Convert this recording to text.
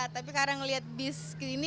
tapi sekarang ngeliat bis ke sini